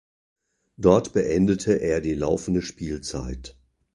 Dort beendete er die laufende Spielzeit.